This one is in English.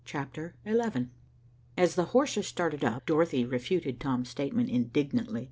CHAPTER XI As the horses started up, Dorothy refuted Tom's statement indignantly.